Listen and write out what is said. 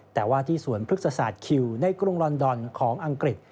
แต่ว่าที่สวนพฤกษศาสตร์คิวในกรุงลอนดอนของอังกฤษ